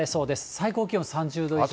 最高気温３０度以上。